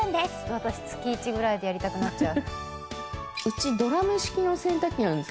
私月１ぐらいでやりたくなっちゃう。